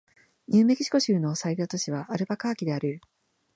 ニューメキシコ州の最大都市はアルバカーキである